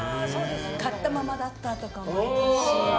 買ったままだったとかもありますし。